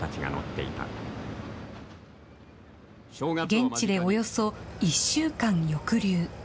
現地でおよそ１週間抑留。